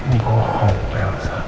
pembohong besar kamu